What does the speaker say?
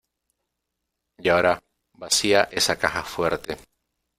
Y ahora, vacía esa caja fuerte.